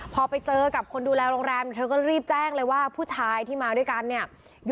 พอไปเจอกับคนดูแลโรงแรมเธอก็รีบแจ้งเลยว่าผู้ชายที่มาด้วยกันเนี่ย